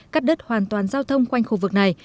cắt đất hoàn toàn giao thông quanh khu vực này